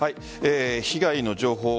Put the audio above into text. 被害の情報